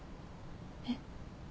えっ？